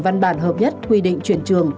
văn bản hợp nhất quy định chuyển trường